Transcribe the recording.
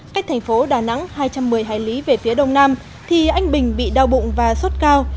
cách thành phố đà nẵng hai trăm một mươi hải lý về phía đông nam thì anh bình bị đau bụng và sốt cao